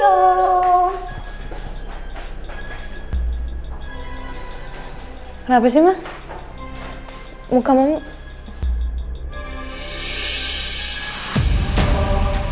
lari lari kesana kemarin